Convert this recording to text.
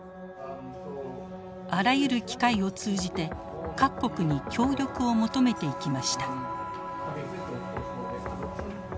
あらゆる機会を通じて各国に協力を求めていきました。